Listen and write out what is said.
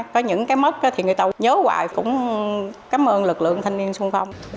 có những cái mất thì người ta nhớ hoài cũng cảm ơn lực lượng thanh niên sung phong